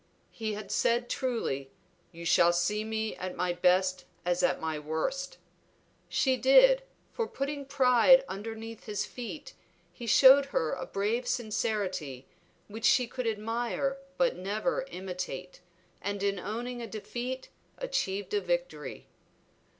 He had said truly, "You shall see me at my best as at worst." She did, for putting pride underneath his feet he showed her a brave sincerity, which she could admire but never imitate, and in owning a defeat achieved a victory.